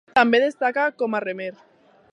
També destacà com a remer.